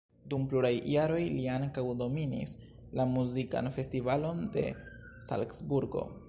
Dum pluraj jaroj li ankaŭ dominis la muzikan festivalon de Salcburgo.